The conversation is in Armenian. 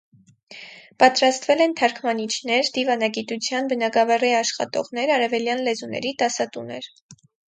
Պատրաստվել են թարգմանիչներ, դիվանագիտության բնագավառի աշխատողներ, արևելյան լեզուների դասատուներ։